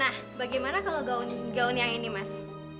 nah bagaimana kalau gaun gaun yang ini mas